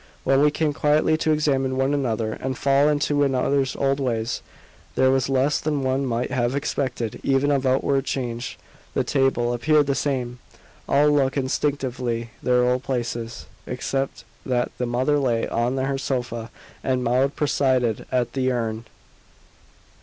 When we came quietly to examine one another and fall into one another's old ways, there was less than one might have expected even of outward change. The table appeared the same; all took instinctively their old places, except that the mother lay on her sofa and Maud presided at the urn.